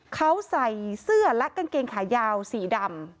เขาใส่เสื้อและกางเกงขายาวสีดำ